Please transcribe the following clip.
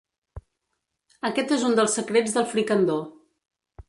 Aquest és un dels secrets del fricandó.